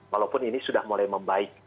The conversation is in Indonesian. walaupun ini sudah mulai membaik